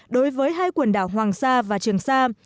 đối với hai quần đảo hoàng sa và trường sa